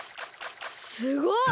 すごっ！